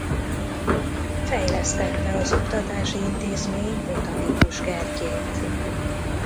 Fejlesztette az oktatási intézmény Botanikus Kertjét.